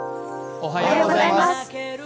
おはようございます。